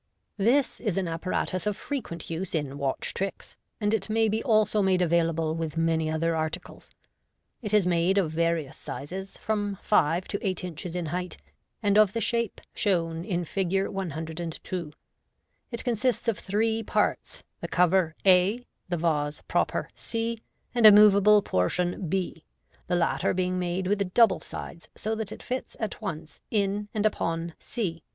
— This is an apparatus of frequent use in Watch Tricks, and it may be also made available with many other articles. It is made of various sizes, from five to eight inches 2l8 MODERN MAGIC, in height, and of the shape shown in Fig. 102. It consists of three parts, the cover a, the vase proper c, and a moveable portion b, the latter being made with double sides, so that it fits at once in and upon c.